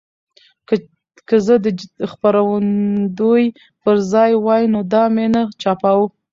که زه د خپرندوی په ځای وای نو دا مې نه چاپوه.